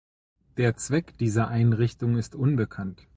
Der Zweck dieser Einrichtung ist unbekannt.